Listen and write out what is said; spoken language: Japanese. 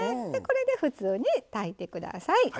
これで普通に炊いて下さい。